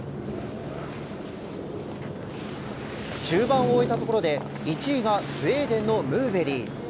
中盤を終えたところで１位がスウェーデンのムーベリ。